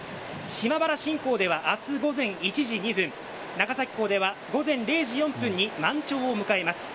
島原市では明日午前１時以降に長崎港では午前０時４分に満潮を迎えます。